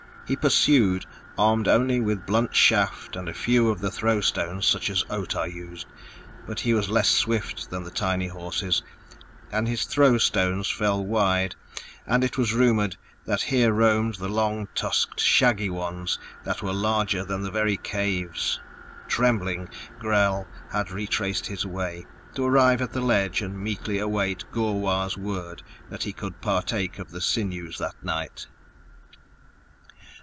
He pursued, armed only with blunt shaft and a few of the throw stones such as Otah used; but he was less swift than the tiny horses, and his throw stones fell wide, and it was rumored that here roamed the long tusked shaggy ones that were larger than the very caves ... trembling, Gral had retraced his way, to arrive at the ledge and meekly await Gor wah's word that he could partake of the sinews that night.